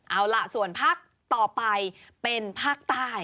เอาล่ะส่วนภาคต่อไปเป็นภาคใต้